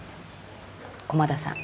駒田さん。